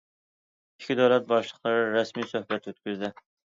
ئىككى دۆلەت باشلىقلىرى رەسمىي سۆھبەت ئۆتكۈزدى.